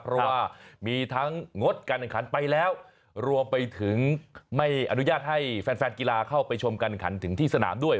เพราะว่ามีทั้งงดการแข่งขันไปแล้วรวมไปถึงไม่อนุญาตให้แฟนแฟนกีฬาเข้าไปชมการขันถึงที่สนามด้วย